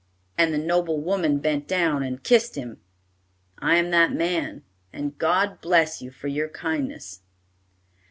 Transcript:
and the noble woman bent down and kissed him? I am that man, and God bless you for your kindness."